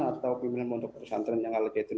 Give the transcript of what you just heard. atau pemimpinan untuk perusahaan tren yang aligatun